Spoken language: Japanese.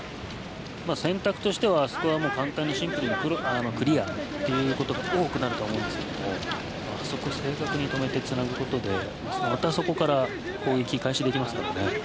選択としてはあそこは簡単にシンプルにクリアということが多くなると思うんですけどあそこ、正確に止めてつなぐことで、そこからまた攻撃に切り返せますからね。